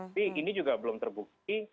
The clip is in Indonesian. tapi ini juga belum terbukti